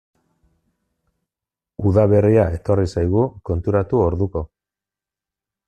Udaberria etorri zaigu, konturatu orduko.